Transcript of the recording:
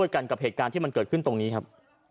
กันกับเหตุการณ์ที่มันเกิดขึ้นตรงนี้ครับ